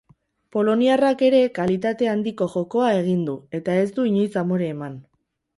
Poloniarrak ere kalitate handiko jokoa egin du eta ez du inoiz amore eman.